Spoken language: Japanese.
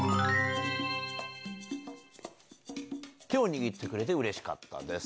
「手を握ってくれて嬉しかったです」。